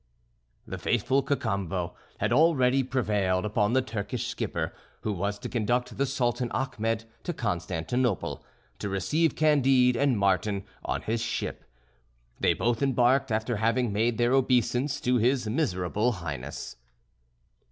The faithful Cacambo had already prevailed upon the Turkish skipper, who was to conduct the Sultan Achmet to Constantinople, to receive Candide and Martin on his ship. They both embarked after having made their obeisance to his miserable Highness.